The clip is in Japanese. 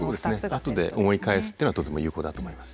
後で思い返すっていうのはとても有効だと思います。